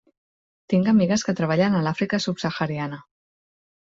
Tinc amigues que treballen a l'Àfrica subsahariana.